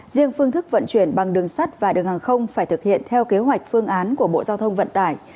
riêng phương thức vận chuyển bằng đường sắt và đường hàng không phải thực hiện theo kế hoạch phương án của bộ giao thông vận tải